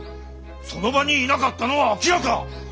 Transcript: その場にいなかったのは明らか！